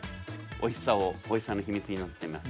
おいしさをおいしさの秘密になってます。